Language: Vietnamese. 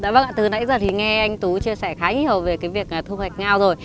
vâng ạ từ nãy giờ thì nghe anh tú chia sẻ khá nhiều về cái việc thu hoạch ngao rồi